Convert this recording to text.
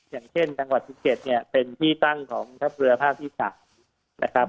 อย่างเช่นจังหวัด๑๗เนี่ยเป็นที่ตั้งของทัพเรือภาคที่๓นะครับ